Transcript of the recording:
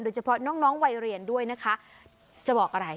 โดยเฉพาะน้องวัยเรียนด้วยนะคะจะบอกอะไร